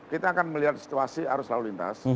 kita akan melihat situasi arus lalu lintas